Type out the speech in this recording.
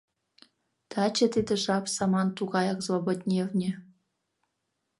Таче тиде жап-саман тугаяк злободневне —